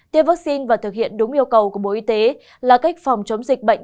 tiêm vaccine và thực hiện đúng yêu cầu của bộ y tế là cách phòng chống dịch bệnh